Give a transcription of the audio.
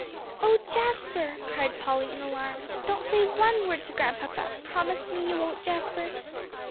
"Oh, Jasper," cried Polly, in alarm, "don't say one word to Grandpapa. Promise me you won't, Jasper."